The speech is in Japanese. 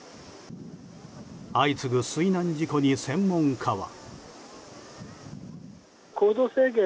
相次ぐ水難事故に専門家は。